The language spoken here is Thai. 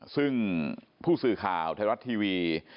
ซึ่งผู้สื่อข่าวไทยรัฐทีวี